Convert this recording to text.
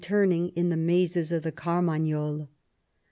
133 iniming in the mazes of the Carmagnole.